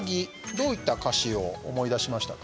どういった歌詞を思い出しましたか？